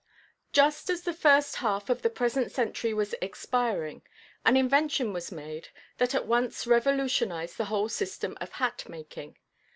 No. 9. Just as the first half of the present century was expiring, an invention was made that at once revolutionized the whole system of hat making.